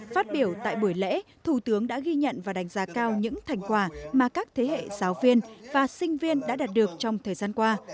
phát biểu tại buổi lễ thủ tướng đã ghi nhận và đánh giá cao những thành quả mà các thế hệ giáo viên và sinh viên đã đạt được trong thời gian qua